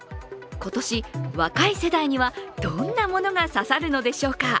今年、若い世代にはどんなものが刺さるのでしょうか。